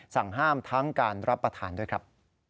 สั่งห้ามทั้งการรับประทานด้วยครับ